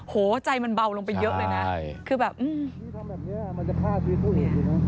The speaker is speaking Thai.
โหใจมันเบาลงไปเยอะเลยน่ะใช่คือแบบคือแบบอืม